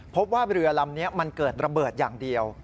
พบว่าเรือลำนี้มันเกิดระเบิดอย่างเดียว